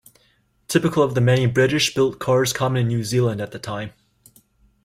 Typical of the many British-built cars common in New Zealand at the time.